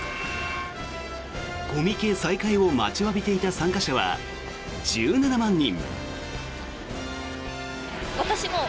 コミケ再開を待ちわびていた参加者は１７万人。